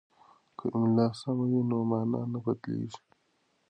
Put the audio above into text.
که املا سمه وي نو مانا نه بدلیږي.